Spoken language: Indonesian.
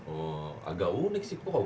oh agak unik sih